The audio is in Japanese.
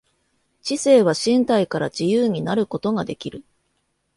知性は身体から自由になることができる。